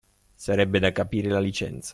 Sarebbe da capire la licenza.